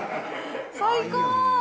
最高。